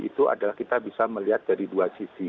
itu adalah kita bisa melihat dari dua sisi